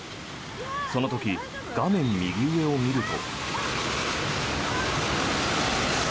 その時、画面右上を見ると。